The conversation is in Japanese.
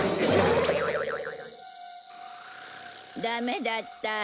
ダメだった。